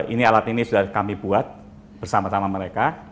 ini alat ini sudah kami buat bersama sama mereka